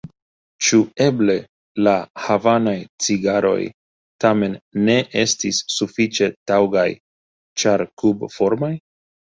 Ĉu eble la havanaj cigaroj tamen ne estis sufiĉe taŭgaj ĉar kubformaj?